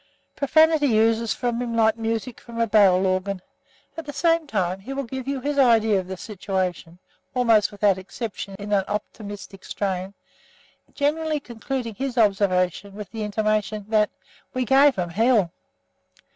Profanity oozes from him like music from a barrel organ. At the same time, he will give you his idea of the situation, almost without exception in an optimistic strain, generally concluding his observation with the intimation that "We gave them hell."